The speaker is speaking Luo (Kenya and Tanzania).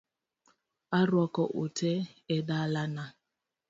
Arwako utee e dala na